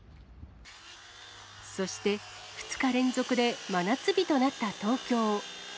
そして、２日連続で真夏日となった東京。